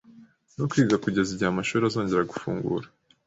no kwiga kugeza igihe amashuri azongera gufungura